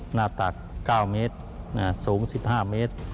หน้าตัก๙เมตรสูง๑๕เมตร